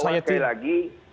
ya saya ingin tahu sekali lagi